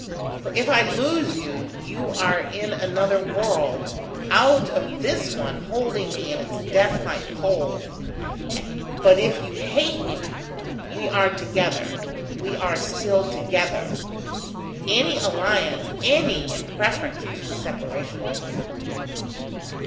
For if I lose you, you are in another world, out of this one holding me in its death like cold; but if you hate me we are together, we are still together. Any alliance, any, in preference to separation!"